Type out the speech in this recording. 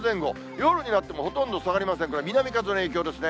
夜になってもほとんど下がりません、これ、南風の影響ですね。